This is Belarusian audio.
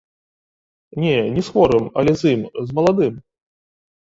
Не, не з хворым, але з ім, з маладым.